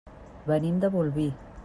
Venim de Bolvir.